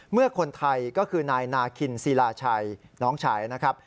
เมื่อคนไทยก็คือนายนาคินศิลาชัยน้องชายนะครับ